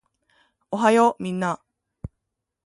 おはようみんな